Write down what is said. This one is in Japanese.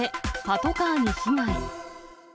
パトカーに被害。